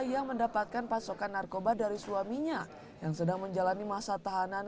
yang mendapatkan pasokan narkoba dari suaminya yang sedang menjalani masa tahanan